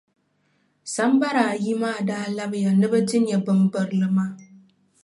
Sambara ayi maa daa labiya ni bɛ ti nya bimbirili maa.